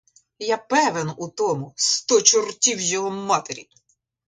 Я певен у тому, сто чортів його матері!